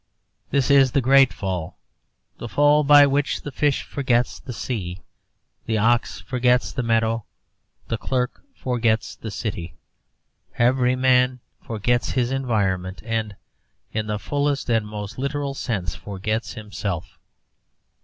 This is the great fall, the fall by which the fish forgets the sea, the ox forgets the meadow, the clerk forgets the city, every man forgets his environment and, in the fullest and most literal sense, forgets himself.